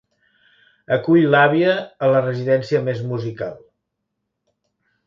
Acull l'àvia a la residència més musical.